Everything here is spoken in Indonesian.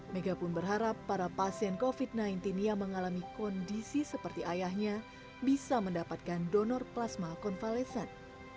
mega pun berharap para pasien covid sembilan belas yang mengalami kondisi seperti ayahnya bisa mendapatkan donor plasma konvalesan